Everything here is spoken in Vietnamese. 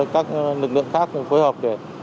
các lực lượng khác phối hợp